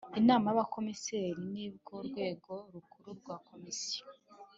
inama y abakomiseri ni rwo rwego rukuru rwa komisiyo